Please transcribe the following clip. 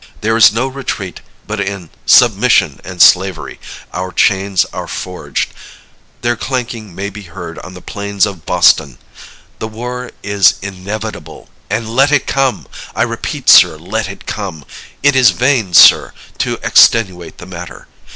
There is no retreat but in submission and slavery! Our chains are forged. Their clanking may be heard on the plains of Boston! The war is inevitable and let it come! I repeat it, sir, let it come! It is vain, sir, to extenuate the matter.